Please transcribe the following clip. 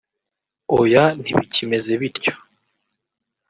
“Oya ntibikimeze bityo